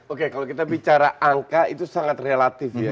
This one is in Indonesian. oke kalau kita bicara angka itu sangat relatif ya